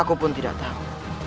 aku pun tidak tahu